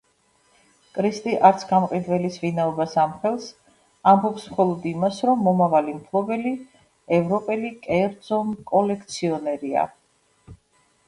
კრისტი არც გამყიდველის ვინაობას ამხელს, ამბობს მხოლოდ იმას, რომ მომავალი მფლობელი ევროპელი კერძო კოლექციონერია.